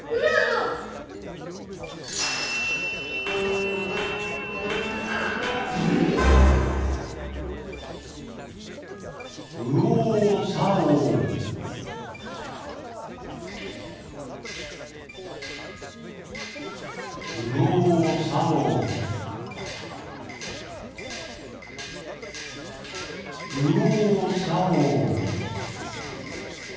「うおうさおう」。